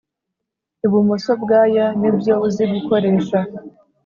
ibumoso bwaya nibyo uzi gukoresha